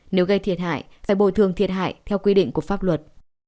nếu gây thiệt hại phải bồi thường thiệt hại theo quy định của pháp luật